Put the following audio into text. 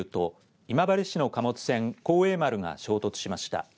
今治市の貨物船、幸栄丸が衝突しました。